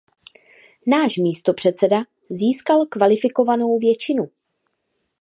Náš místopředseda získal kvalifikovanou většinu.